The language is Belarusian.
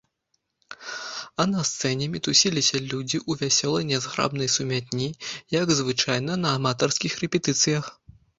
А на сцэне мітусіліся людзі ў вясёлай нязграбнай сумятні, як звычайна на аматарскіх рэпетыцыях.